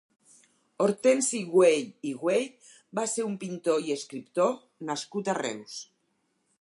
Hortensi Güell i Güell va ser un pintor i escriptor nascut a Reus.